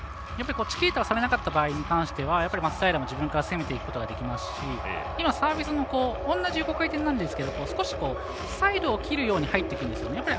チキータをされなかった場合に関しては松平も自分から攻めていくこともできますし今、サービスも同じ横回転なんですけど少しサイドを切るように入っていくんですよね。